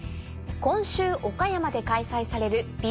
今週岡山で開催されるＢＭＸ